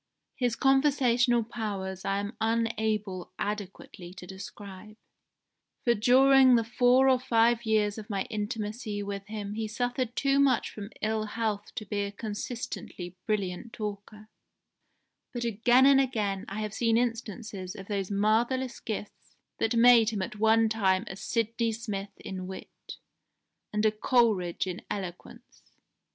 His conversational powers I am unable adequately to describe, for during the four or five years of my intimacy with him he suffered too much from ill health to be a consistently brilliant talker, but again and again I have seen instances of those marvellous gifts that made him at one time a Sydney Smith in wit, and a Coleridge in eloquence.